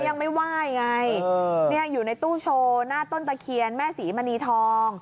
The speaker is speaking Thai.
ยังไม่ไหว้ไงอยู่ในตู้โชว์หน้าต้นตะเคียนแม่ศรีมณีทอง